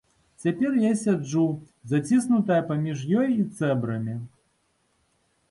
Цяпер я сяджу, заціснутая паміж ёй і цэбрамі.